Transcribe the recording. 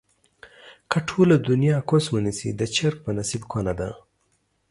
که ټوله دنياکوس ونسي ، د چرگ په نصيب کونه ده